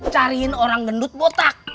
cariin orang gendut botak